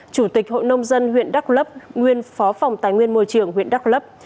chủ tịch hội nông dân huyện đắk lấp nguyên phó phòng tài nguyên môi trường huyện đắk lấp